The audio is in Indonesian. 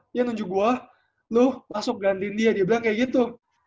dia nunjuk gue lo masuk grandin dia dia bilang kayak gitu